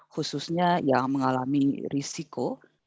khususnya yang mengalami risiko